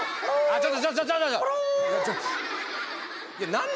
ちょっと。